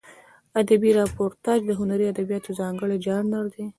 ادبي راپورتاژ د هنري ادبیاتو ځانګړی ژانر دی.